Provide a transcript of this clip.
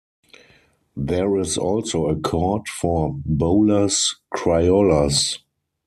There is also a court for bolas criollas.